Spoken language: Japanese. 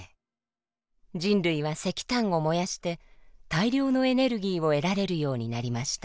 人類は石炭を燃やして大量のエネルギーを得られるようになりました。